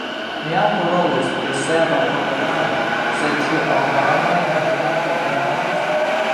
Mi jam parolis pri serba propagando – sed ĉu albanoj neniam propagandas?